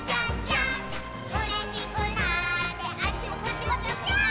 「うれしくなってあっちもこっちもぴょぴょーん」